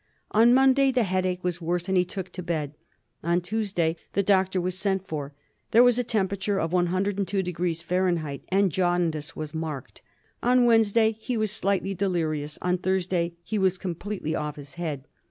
On Monday the headache was worse and he took to bed ; on Tuesday the doctor was sent for. There was now a temperature of 102^ F. and jaundice was marked. On Wednesday he was slightly delirious: on Thursday he was completely off his head.